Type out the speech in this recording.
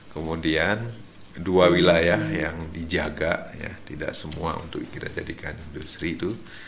kemudian dua wilayah yang dijaga tidak semua untuk kita jadikan industri itu